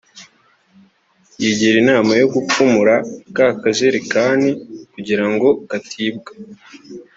yigira inama yo gupfumura ka kajerikani kugira ngo katibwa